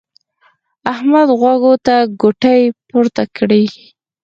احمد غوږو ته ګوتې پورته کړې.